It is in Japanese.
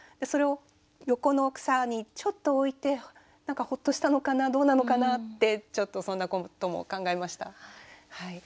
それを横の草にちょっと置いて何かホッとしたのかなどうなのかなってちょっとそんなことも考えました。